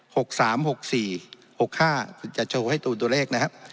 หกสามหกสี่หกห้าคุณจะโชว์ให้ดูตัวเลขนะครับ